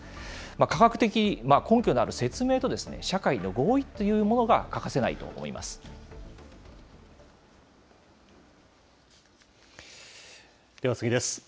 科学的根拠のある説明と、社会の合意というものが欠かせないと思では次です。